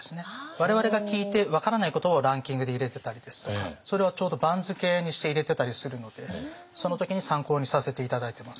我々が聞いて分からない言葉をランキングで入れてたりですとかそれをちょうど番付にして入れてたりするのでその時に参考にさせて頂いてます。